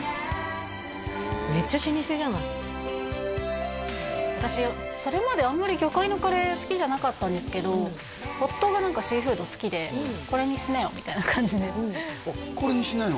めっちゃ老舗じゃない私それまであんまり魚介のカレー好きじゃなかったんですけど夫が何かシーフード好きで「これにしなよ」みたいな感じであっ「これにしなよ